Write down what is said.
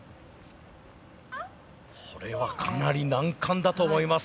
これはかなり難関だと思います。